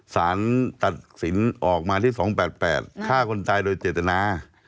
สารตัดสินออกมาที่๒๘๘ฆ่าคนตายโดยเจตนา